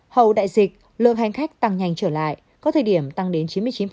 hầu đại dịch lượng hành khách tăng nhanh trở lại có thời điểm tăng đến chín mươi chín